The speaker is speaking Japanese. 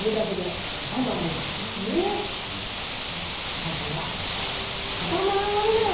さらには「固まらないのよ。